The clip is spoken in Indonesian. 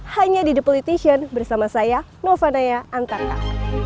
hanya di the politician bersama saya novanaya antarkal